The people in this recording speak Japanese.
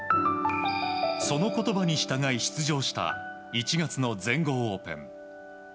その言葉に従い出場した１月の全豪オープン。